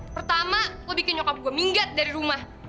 pertama lu bikin nyokap gue minggat dari rumah